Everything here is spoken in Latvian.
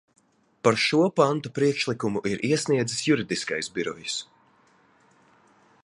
Par šo pantu priekšlikumu ir iesniedzis Juridiskais birojs.